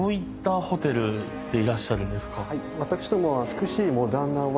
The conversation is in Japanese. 私どもは。